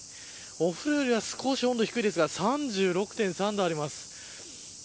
お風呂よりは少し温度が低いですが３６．３度あります。